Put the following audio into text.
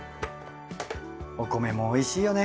お米もおいしいよね